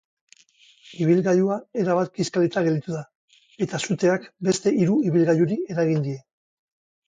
Ibilgailua erabat kiskalita gelditu da, eta suteak beste hiru ibilgailuri eragin die.